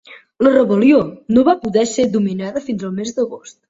La rebel·lió no va poder ser dominada fins al mes d'agost.